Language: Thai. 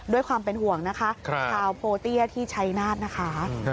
ด้วยความเป็นห่วงนะคะชาวโพเตี้ยที่ชัยนาธนะคะ